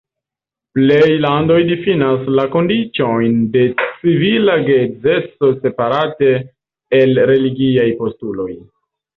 Plej landoj difinas la kondiĉojn de civila geedzeco separate el religiaj postuloj.